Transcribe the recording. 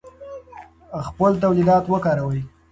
خپل تولیدات وکاروئ.